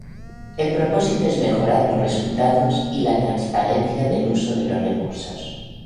El propósito es mejorar los resultados y la transparencia del uso de los recursos.